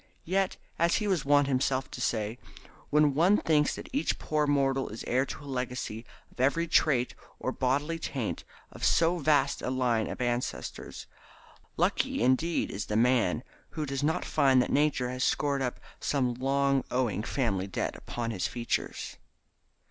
Yet, as he was wont himself to say, when one thinks that each poor mortal is heir to a legacy of every evil trait or bodily taint of so vast a line of ancestors, lucky indeed is the man who does not find that Nature has scored up some long owing family debt upon his features.